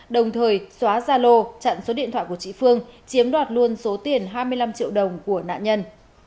đồng thời xóa zalo chặn số điện thoại của chị phương chiếm đoạt luôn số tiền hai mươi năm triệu đồng của nạn nhân